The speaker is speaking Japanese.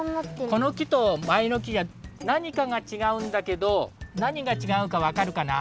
このきとまえのきじゃなにかがちがうんだけどなにがちがうかわかるかな？